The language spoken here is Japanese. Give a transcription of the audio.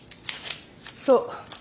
そう。